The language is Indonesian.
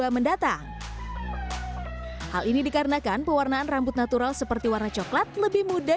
mendatang hal ini dikarenakan pewarnaan rambut natural seperti warna coklat lebih mudah